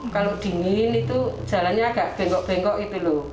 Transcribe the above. kalau dingin itu jalannya agak bengkok bengkok gitu loh